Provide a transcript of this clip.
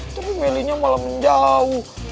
tapi melihnya malah menjauh